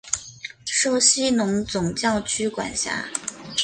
受西隆总教区管辖。